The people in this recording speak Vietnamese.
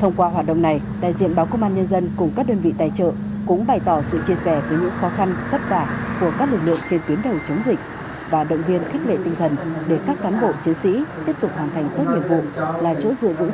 thông qua hoạt động này đại diện báo công an nhân dân cùng các đơn vị tài trợ cũng bày tỏ sự chia sẻ với những khó khăn phất vả của các lực lượng trên tuyến đầu chống dịch và động viên khách lệ tinh thần để các cán bộ chiến sĩ tiếp tục hoàn thành tốt nhiệm vụ là chỗ giữ vũ trắc cho nhân dân